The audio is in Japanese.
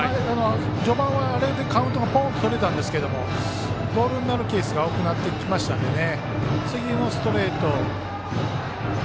序盤はあれでカウントがとれたんですがボールになるケースが多くなってきましたのでね。